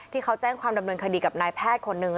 ที่เขาแจ้งความดำเนินคดีกับนายแพทย์คนหนึ่ง